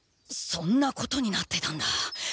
そんなことになってたんだ。